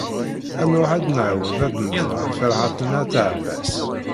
Ad nruḥ ad nɛawed ad d-nẓer Ferḥat n At Ɛebbas.